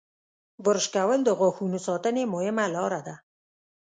• برش کول د غاښونو ساتنې مهمه لاره ده.